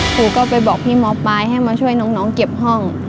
ครูก็ไปบอกพี่หมอปลายให้มาช่วยน้องเก็บห้อง